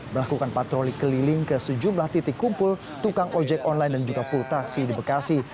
melakukan patroli keliling ke sejumlah titik kumpul tukang ojek online dan juga pul taksi di bekasi